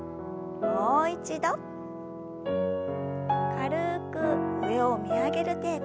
軽く上を見上げる程度。